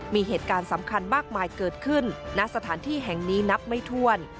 มีเหตุการณ์สำคัญมากมายเกิดขึ้นณสถานที่แห่งนี้นับไม่ถ้วน